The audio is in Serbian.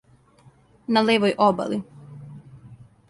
На левој обали.